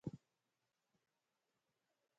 د پښتو ژبې پرمختګ د ټولنې پرمختګ دی.